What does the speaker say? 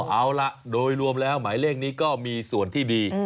เอาล่ะโดยรวมแล้วหมายเลขนี้ก็มีส่วนที่ดี